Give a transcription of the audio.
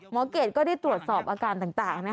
หมอเกรดก็ได้ตรวจสอบอาการต่างนะคะ